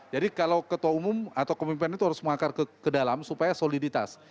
jadi kalau ketua umum atau kemimpinan itu harus mengakar ke dalam supaya soliditas